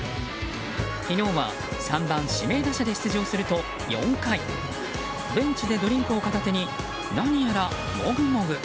昨日は３番指名打者で出場すると４回ベンチでドリンクを片手に何やら、もぐもぐ。